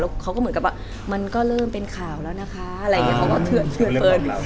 เขาก็เหมือนกับว่ามันก็เริ่มเป็นข่าวแล้วนะคะอะไรอย่างนี้เขาก็เถื่อนเฟิร์น